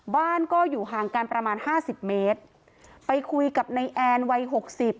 บ้านก็อยู่ห่างกันประมาณห้าสิบเมตรไปคุยกับนายแอนวัยหกสิบ